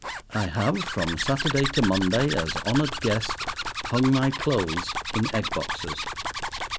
I have from Saturday to Monday, as honoured guest, hung my clothes in egg boxes.